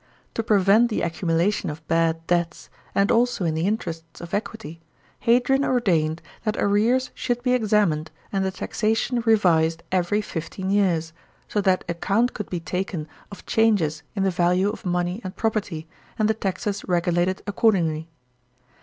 To prevent the accumulation of bad debts, and also in the interests of equity, Hadrian ordained that arrears should be ex' imined and the taxation revised every fifteen years, so that account could be taken of changes in the value of money and property, and the taxes regulated accordingly